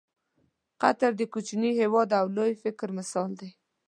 قطر د کوچني هېواد او لوی فکر مثال دی.